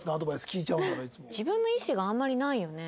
自分の意思があんまりないよね。